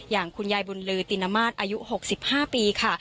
อย่างคุณยายบุญลือตินมาตรอายุ๖๕ปีค่ะ